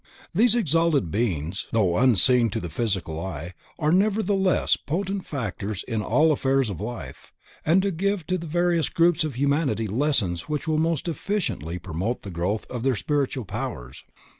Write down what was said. These exalted Beings, though unseen to the physical eyes, are nevertheless potent factors in all affairs of life, and give to the various groups of humanity lessons which will most efficiently promote the growth of their spiritual powers.